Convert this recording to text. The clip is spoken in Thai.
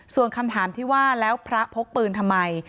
ส่วนคำถามที่ว่าแล้วพระพกปืนทำไม